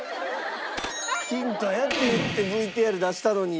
ヒントやって言ってＶＴＲ出したのに。